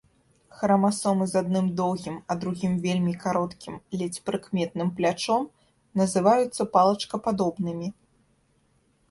Храмасомы з адным доўгім, а другім вельмі кароткім, ледзь прыкметным плячом называюцца палачкападобнымі.